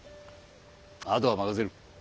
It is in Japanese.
あとは任せる。